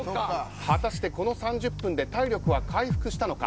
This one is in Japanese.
果たして、この３０分で体力は回復したのか。